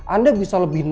anda bisa lebih nolak